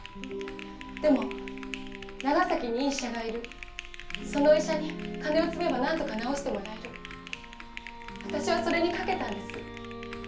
でも長崎にいい医者がいるその医者に金を積めば何とか治してもらえる私はそれに賭けたんです。